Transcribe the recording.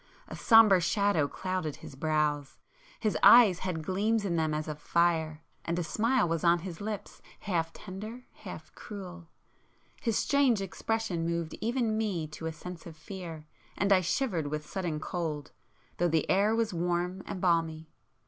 A sombre shadow clouded his brows,—his eyes had gleams in them as of fire,—and a smile was on his lips, half tender, half cruel. His strange expression moved even me to a sense of fear, and I shivered with sudden cold, though the air was warm and balmy.